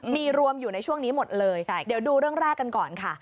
มีรวมอยู่ในช่วงนี้หมดเลยเดี๋ยวดูเรื่องแรกกันก่อนค่ะ